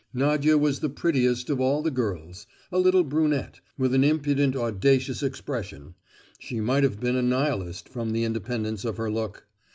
Nadia was the prettiest of all the girls—a little brunette, with an impudent audacious expression; she might have been a Nihilist from the independence of her look.